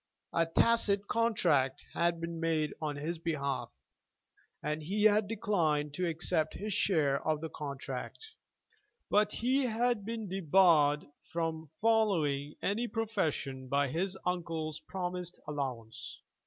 A tacit contract had been made on his behalf, and he had declined to accept his share of the contract. But he had been debarred from following any profession by his uncle's promised allowance.